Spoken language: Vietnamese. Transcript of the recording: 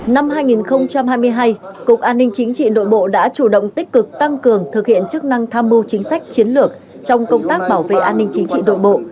năm hai nghìn hai mươi hai cục an ninh chính trị nội bộ đã chủ động tích cực tăng cường thực hiện chức năng tham mưu chính sách chiến lược trong công tác bảo vệ an ninh chính trị nội bộ